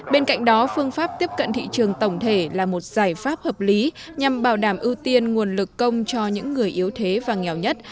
bên cạnh đó phương pháp tiếp cận thị trường tổng thể là một giải pháp hợp lý nhằm bảo đảm ưu tiên nguồn lực công cho những người yếu thế và nghèo nhất